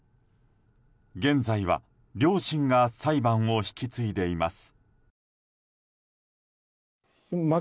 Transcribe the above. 現在は両親が裁判を引き継いでいます。